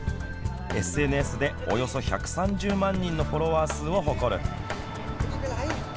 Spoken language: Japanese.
ＳＮＳで、およそ１３０万人のフォロワー数を誇る。